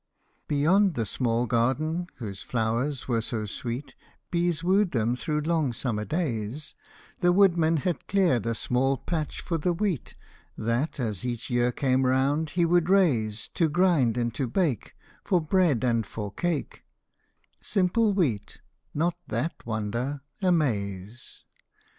Beyond the small garden, whose flowers were so sweet Bees wooed them through long summer days, The woodman had cleared a small patch for the wheat That, as each year came round, he would raise, To grind and to bake For bread and for cake Simple wheat, not that wonder, a maize